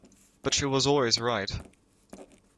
But she was always right.